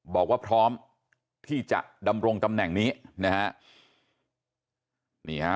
บอกว่าพร้อมที่จะดำรงตำแหน่งนี้นะฮะ